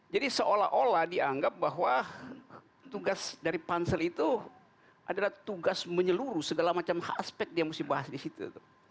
jadi seolah olah dianggap bahwa tugas dari pansel itu adalah tugas menyeluruh segala macam aspek yang harus dibahas di situ